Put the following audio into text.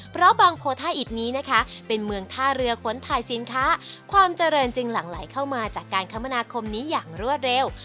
เพราะบางโพท่าอิตนี้นะคะเป็นเมืองท่าเรือขนถ่ายสินค้าความเจริญจึงหลั่งไหลเข้ามาจากการคมนาคมนี้อย่างรวดเร็ว